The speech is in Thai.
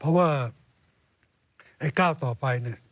เพราะว่าไอ้เกราะต่อไป